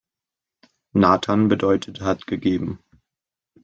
Nathan bedeutet „hat gegeben“.